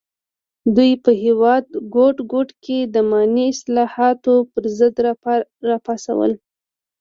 دوی په هېواد ګوټ ګوټ کې د اماني اصلاحاتو پر ضد راپاڅول.